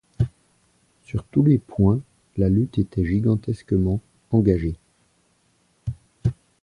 Sur tous les points la lutte était gigantesquement engagée.